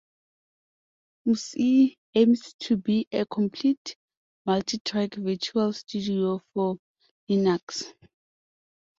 MusE aims to be a complete multitrack virtual studio for Linux.